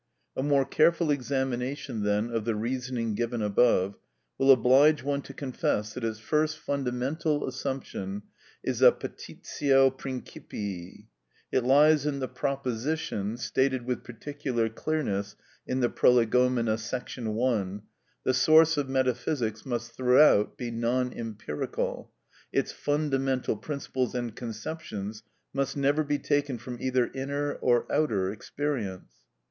A more careful examination, then, of the reasoning given above will oblige one to confess that its first fundamental assumption is a petitio principii. It lies in the proposition (stated with particular clearness in the Prolegomena, § 1): "The source of metaphysics must throughout be non empirical; its fundamental principles and conceptions must never be taken from either inner or outer experience."